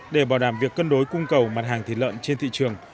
để bảo đảm việc cân đối cung cầu mặt hàng thịt lợn trên thị trường